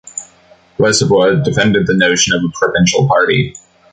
Lesavua defended the notion of a provincial party.